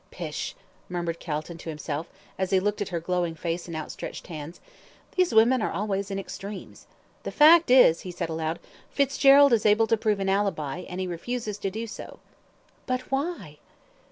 "Pish," murmured Calton to himself, as he looked at her glowing face and outstretched hands, "these women are always in extremes. The fact is," he said aloud, "Fitzgerald is able to prove an ALIBI, and he refuses to do so." "But why?"